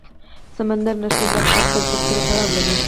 سمندر نه شتون د افغان کلتور سره تړاو لري.